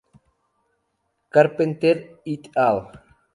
Carpenter "et al.